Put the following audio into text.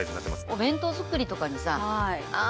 お弁当作りとかにさああ